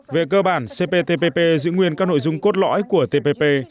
về cơ bản cptpp giữ nguyên các nội dung cốt lõi của tpp